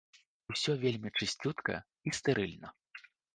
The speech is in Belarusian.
Усё вельмі чысцютка і стэрыльна.